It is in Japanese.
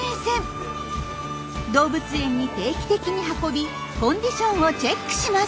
動物園に定期的に運びコンディションをチェックします。